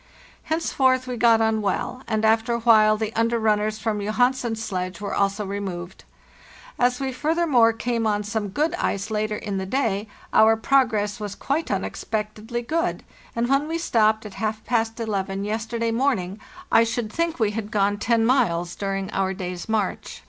Henceforth we got on well, and after a while the under runners from Johansen's sledge were also re moved. As we furthermore came on some good ice later in the day, our progress was quite unexpectedly good, and when we stopped at half past eleven yesterday morning, I should think we had gone to miles during ot TAs SLROGG LL 21 N our day's march.